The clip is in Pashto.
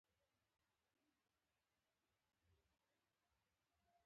احمد دانې ته په ستنه خوله ورکړه چې تشه شي.